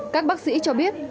các bác sĩ cho biết